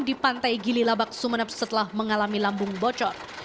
di pantai gililabak sumeneb setelah mengalami lambung bocor